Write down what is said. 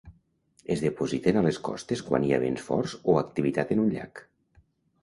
Es depositen a les costes quan hi ha vents forts o activitat en un llac.